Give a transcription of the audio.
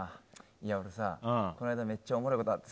俺さ、この間、めっちゃおもしろことあって。